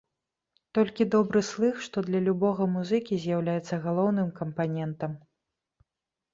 Толькі добры слых, што для любога музыкі з'яўляецца галоўным кампанентам.